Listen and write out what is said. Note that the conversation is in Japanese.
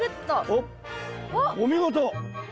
おっお見事！